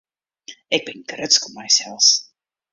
Ik bin grutsk op mysels.